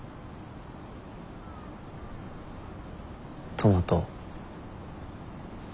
トマト。